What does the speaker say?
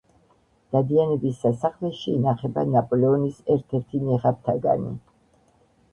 დადიანების სასახლეში ინახება ნაპოლეონის ერთ-ერთი ნიღაბთაგანი